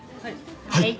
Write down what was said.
はい。